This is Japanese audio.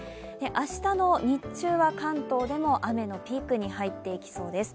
明日の日中は関東でも雨のピークに入っていきそうです。